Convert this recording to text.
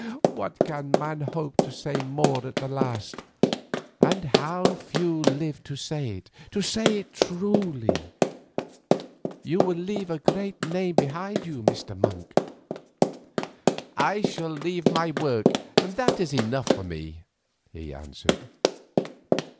What can man hope to say more at the last, and how few live to say it, to say it truly? You will leave a great name behind you, Mr. Monk." "I shall leave my work; that is enough for me," he answered.